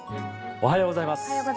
おはようございます。